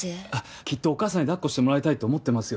きっとお母さんに抱っこしてもらいたいと思ってますよ。